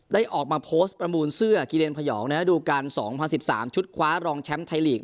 ได้ออกมาโพสต์ประบูญเสื้อกิรินพยองนะฮะดูกันสองพันสิบสามชุดคว้ารองแชมป์ไทยลีก